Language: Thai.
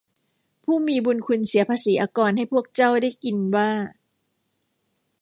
ผู้มีบุญคุณเสียภาษีอากรให้พวกเจ้าได้กินว่า